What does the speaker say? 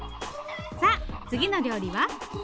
さあ次の料理は？